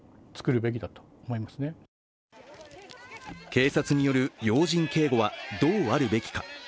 警察による要人警護はどうあるべきか。